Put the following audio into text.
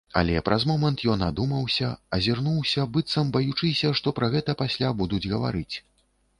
Але праз момант ён адумаўся, азірнуўся, быццам баючыся, што пра гэта пасля будуць гаварыць.